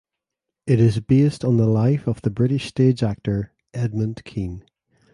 It is based on the life of the British stage actor Edmund Kean.